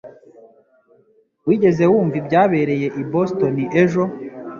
Wigeze wumva ibyabereye i Boston ejo?